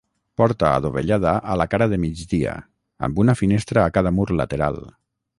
Porta adovellada a la cara de migdia, amb una finestra a cada mur lateral.